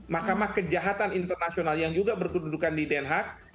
mahkamah kejahatan internasional yang juga berkududukan di den haag